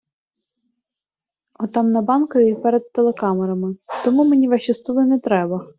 Отам на Банковій перед телекамерами, тому мені Ваші столи нетреба.